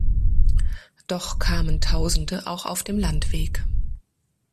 Doch kamen Tausende auch auf dem Landweg.